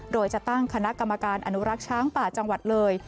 โดยจะตั้งคณะกรรมการอนุรักษ์ช้างป่าจังหวัดเลย